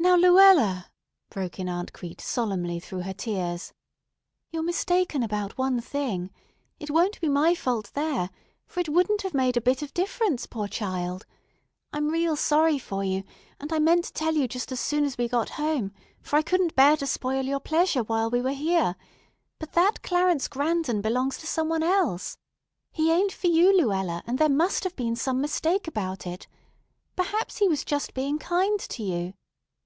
"Now, Luella," broke in Aunt Crete solemnly through her tears, "you're mistaken about one thing. It won't be my fault there, for it wouldn't have made a bit of difference, poor child. I'm real sorry for you, and I meant to tell you just as soon as we got home, for I couldn't bear to spoil your pleasure while we were here; but that Clarence Grandon belongs to some one else. He ain't for you, Luella, and there must have been some mistake about it. Perhaps he was just being kind to you.